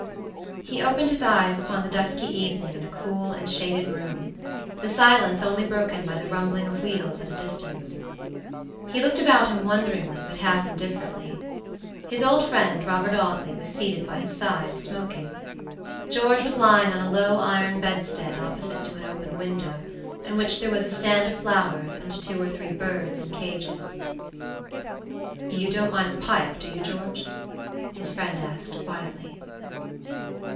He opened his eyes upon the dusky evening in a cool and shaded room, the silence only broken by the rumbling of wheels at a distance. He looked about him wonderingly, but half indifferently. His old friend, Robert Audley, was seated by his side smoking. George was lying on a low iron bedstead opposite to an open window, in which there was a stand of flowers and two or three birds in cages. "You don't mind the pipe, do you, George?" his friend asked, quietly.